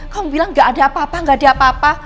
kamu bilang gak ada apa apa nggak ada apa apa